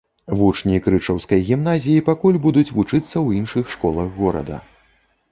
Вучні крычаўскай гімназіі пакуль будуць вучыцца ў іншых школах горада.